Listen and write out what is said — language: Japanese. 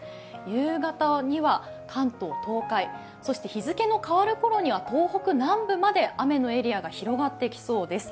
夕方には関東、東海、そして日付の変わるころには東北南部まで雨のエリアが広がってきそうです。